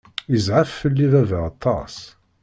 Yezɛef fell-i baba aṭas.